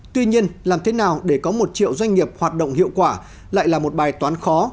tuy nhiên làm thế nào để có một triệu doanh nghiệp hoạt động hiệu quả lại là một bài toán khó